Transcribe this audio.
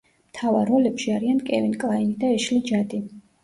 მთავარ როლებში არიან კევინ კლაინი და ეშლი ჯადი.